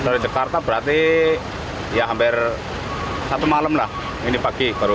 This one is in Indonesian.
dari jakarta berarti ya hampir satu malam lah ini pagi baru